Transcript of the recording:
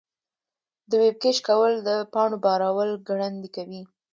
د ویب کیش کول د پاڼو بارول ګړندي کوي.